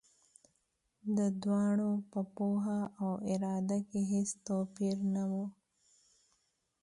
د دواړو په پوهه او اراده کې هېڅ توپیر نه و.